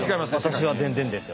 私は全然ですよ。